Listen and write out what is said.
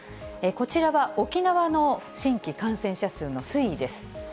こちらは沖縄の新規感染者数の推移です。